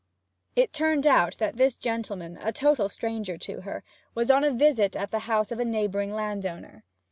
It turned out that this gentleman, a total stranger to her, was on a visit at the house of a neighbouring landowner.